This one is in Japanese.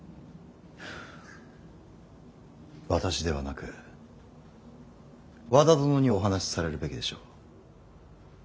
私ではなく和田殿にお話しされるべきでしょう。